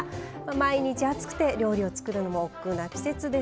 毎日暑くて料理を作るのもおっくうな季節ですね。